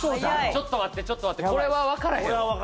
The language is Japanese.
ちょっと待ってちょっと待ってこれは分からへんわ